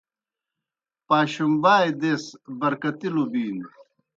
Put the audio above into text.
پاشُمبائے دیس برکتِلوْ بِینوْ۔